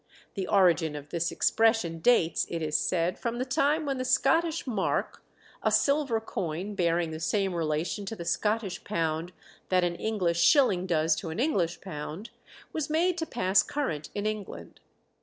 The origin of this expression dates, it is said, from the time when the Scottish mark, a silver coin bearing the same relation to the Scottish pound that an English shilling does to an English pound, was made to pass current in England.